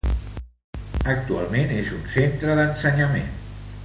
Actualment és un centre d'ensenyament.